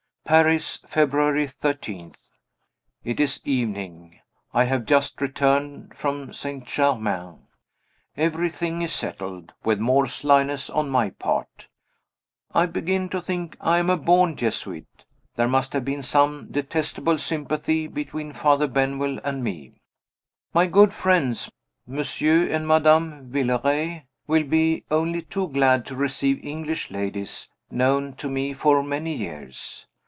Paris, February 13. It is evening. I have just returned from St. Germain. Everything is settled with more slyness on my part. I begin to think I am a born Jesuit; there must have been some detestable sympathy between Father Benwell and me. My good friends, Monsieur and Madame Villeray, will be only too glad to receive English ladies, known to me for many years.